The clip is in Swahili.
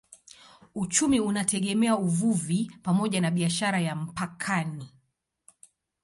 Uchumi unategemea uvuvi pamoja na biashara ya mpakani.